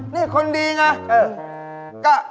นี่คนดีไง